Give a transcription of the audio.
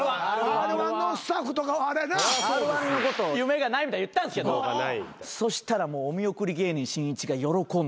Ｒ−１のことを夢がないみたいな言ったんですけどそしたらもうお見送り芸人しんいちが喜んで。